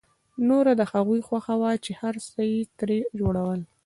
نوره د هغوی خوښه وه چې هر څه یې ترې جوړول